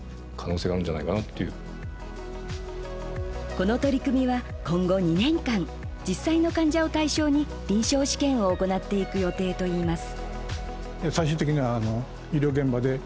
この取り組みは、今後２年間実際の患者を対象に臨床試験を行っていく予定といいます。